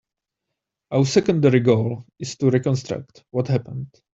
Our secondary goal is to reconstruct what happened.